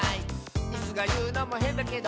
「イスがいうのもへんだけど」